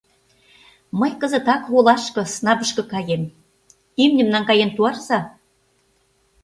— Мый кызытак олашке, снабышке, каем... имньым наҥгаен туарыза...